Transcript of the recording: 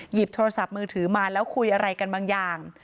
หยิบโทรศัพท์มือถือมาแล้วคุยอะไรกันบางอย่าง